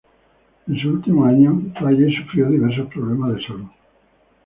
En sus últimos años, Raye sufrió diversos problemas de salud.